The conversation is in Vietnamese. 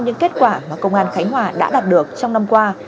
những kết quả mà công an khánh hòa đã đạt được trong năm qua